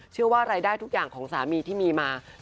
เชื่อว่ารายได้ทุกอย่างของสามีที่มีมา